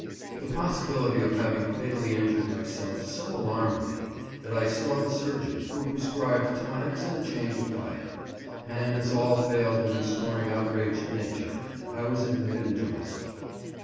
The possibility of having fatally injured myself so alarmed me that I saw the surgeon, who prescribed tonics and a change of diet; and, as all failed in restoring outraged nature, I was admitted into hospital.